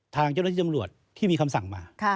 ทางเจ้าหน้าที่จำรวจที่มีคำสั่งมา